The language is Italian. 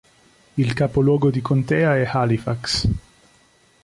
Il capoluogo di contea è Halifax.